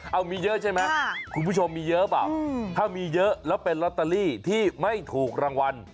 เอามีเยอะใช่ไหมคุณผู้ชมมีเยอะเปล่าถ้ามีเยอะแล้วเป็นลอตเตอรี่ที่ไม่ถูกรางวัล